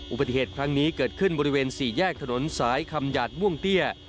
อุบัติเหตุครั้งนี้เกิดขึ้นบริเวณ๔แยกถนนสายคำหยาดม่วงเตี้ย